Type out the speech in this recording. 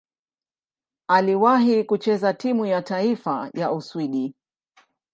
Aliwahi kucheza timu ya taifa ya Uswidi.